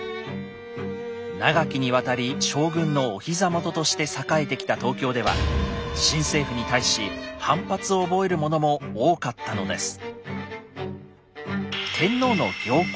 長きにわたり将軍のおひざ元として栄えてきた東京では新政府に対し反発を覚える者も多かったのです。